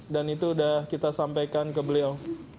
dan itu sudah kita sampaikan ke beliau